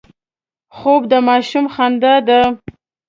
خوب د ماشوم خندا ده